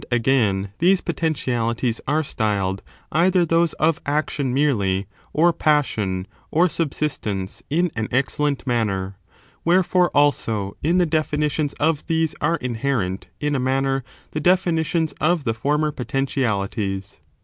again, these potentialities are styled either those of action merely, or passion, or subsistence in an excellent manner. Wherefore, also, in the definitions of these are inherent, in a manner, the definitions of the former potentialities.